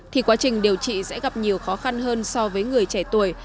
thì quá trình điều trị sẽ gặp nhiều khó khăn hơn so với người trẻ tuổi